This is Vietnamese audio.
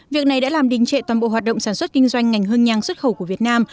việc này đã làm đình trệ toàn bộ hoạt động sản xuất kinh doanh ngành hương nhang xuất khẩu của việt nam